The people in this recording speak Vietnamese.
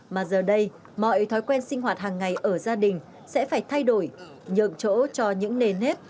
mà giờ đây mọi thói quen sinh hoạt hàng ngày ở gia đình sẽ phải thay đổi nhượng chỗ cho những nền hết